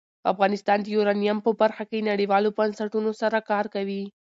افغانستان د یورانیم په برخه کې نړیوالو بنسټونو سره کار کوي.